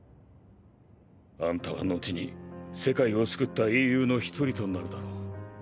あんたは後に世界を救った英雄の一人となるだろう。